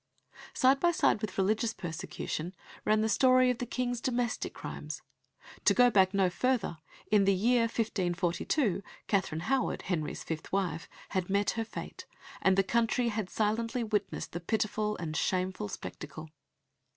Side by side with religious persecution ran the story of the King's domestic crimes. To go back no further, in the year 1542 Katherine Howard, Henry's fifth wife, had met her fate, and the country had silently witnessed the pitiful and shameful spectacle.